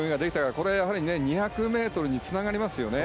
これ、やはり２００ｍにつながりますよね。